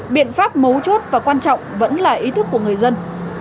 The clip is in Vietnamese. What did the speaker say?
biện pháp mấu chốt và quan trọng vẫn là ý thức của người dân